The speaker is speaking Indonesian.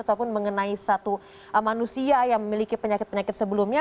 ataupun mengenai satu manusia yang memiliki penyakit penyakit sebelumnya